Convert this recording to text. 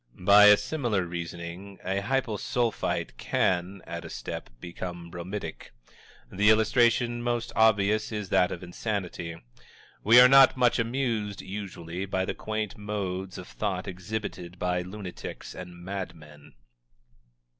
By a similar reasoning, a Hypo Sulphite can, at a step, become bromidic. The illustration most obvious is that of insanity. We are not much amused, usually, by the quaint modes of thought exhibited by lunatics and madmen.